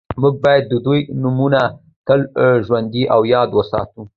موږ باید د دوی نومونه تل ژوندي او یاد وساتو